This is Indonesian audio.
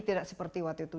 tidak seperti waktu itu